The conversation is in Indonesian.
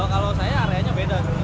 kalau saya areanya beda